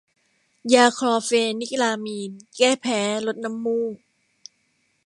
ยาคลอร์เฟนิรามีน แก้แพ้ ลดน้ำมูก